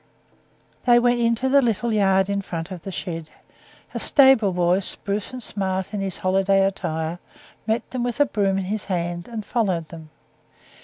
They went into the little yard in front of the shed. A stable boy, spruce and smart in his holiday attire, met them with a broom in his hand, and followed them.